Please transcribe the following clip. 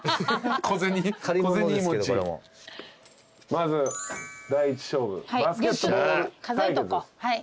まず第１勝負バスケットボール対決。